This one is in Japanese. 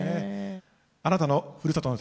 「あなたのふるさとの唄」